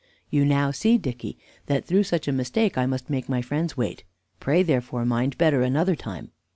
You now see, Dicky, that through such a mistake I must make my friends wait; pray, therefore, mind better another time."